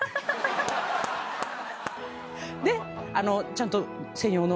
でちゃんと。